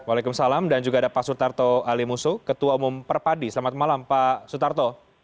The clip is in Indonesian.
waalaikumsalam dan juga ada pak sutarto ali musuh ketua umum perpadi selamat malam pak sutarto